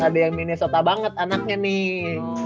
ada yang minnesota banget anaknya nih